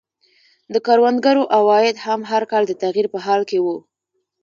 د کروندګرو عواید هم هر کال د تغییر په حال کې وو.